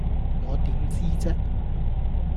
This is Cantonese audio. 我點知啫